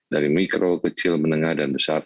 dari mikro kecil menengah dan besar